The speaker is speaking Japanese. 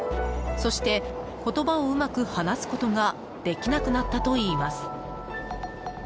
そして、言葉をうまく話すことができなくなったといいます。